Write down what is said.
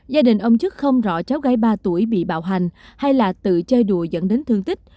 gia đình ông chức không rõ cháu gái ba tuổi bị bạo hành hay là tự chơi đùa dẫn đến thương tích